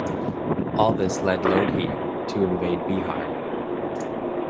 All this led Lodhi to invade Bihar.